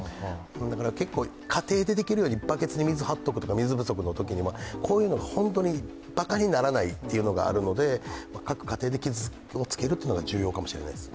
だから結構家庭でできるようにばけつに水を張っておくとかこういうのが本当にばかにならないというのがあるので各家庭で気をつけるのが重要かもしれないです